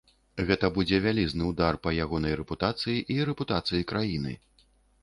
Гэта будзе вялізны ўдар па ягонай рэпутацыі і рэпутацыі краіны.